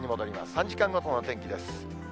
３時間ごとの天気です。